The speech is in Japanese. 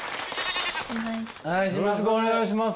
お願いします。